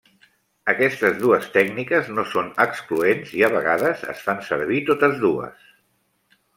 Aquestes dues tècniques no són excloents i a vegades es fan servir totes dues.